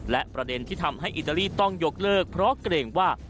และประเด็นที่ทำให้อิตาลีต้องยกเลิกเพราะเกรงว่า